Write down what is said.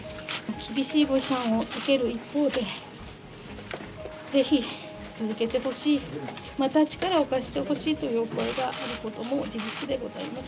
厳しいご批判を受ける一方で、ぜひ続けてほしい、また力を貸してほしいというお声があることも事実でございます。